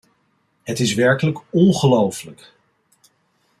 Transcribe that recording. Het is werkelijk ongelooflijk!